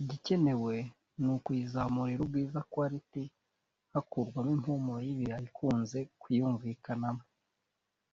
Igikenewe ni ukuyizamurira ubwiza (quality) hakurwamo impumuro y’ibirayi ikunze kuyumvikanamo